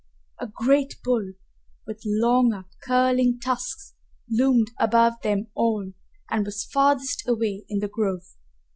A great bull, with long up curling tusks, loomed above them all, and was farthest away in the grove.